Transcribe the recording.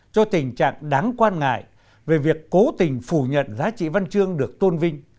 cho tình trạng đáng quan ngại về việc cố tình phủ nhận giá trị văn chương được tôn vinh